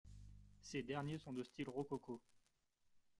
Ces derniers sont de style rococo.